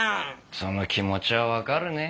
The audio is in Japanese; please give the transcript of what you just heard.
その気持ちは分かるね。